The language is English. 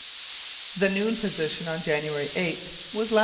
The noon position on January 8 was lat.